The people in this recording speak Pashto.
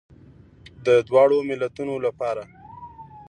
د دواړو ملتونو لپاره.